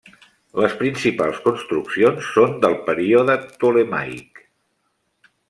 Les principals construccions són del període ptolemaic.